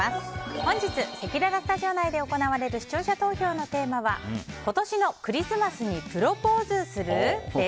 本日せきららスタジオ内で行われる視聴者投票のテーマは今年のクリスマスにプロポーズする？です。